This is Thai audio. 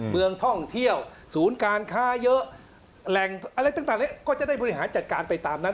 เมืองท่องเที่ยวศูนย์การค้าเยอะแหล่งอะไรต่างก็จะได้บริหารจัดการไปตามนั้น